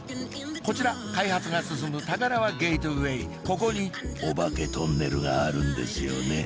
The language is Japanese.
こちら開発が進む高輪ゲートウェイここにオバケトンネルがあるんですよね